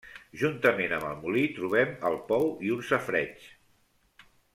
Juntament amb el molí trobem el pou i un safareig.